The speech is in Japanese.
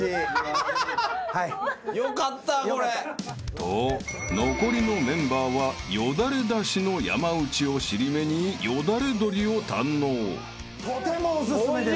［と残りのメンバーはよだれ出しの山内を尻目によだれ鶏を堪能］